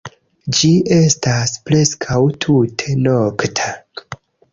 Ĝi estas preskaŭ tute nokta.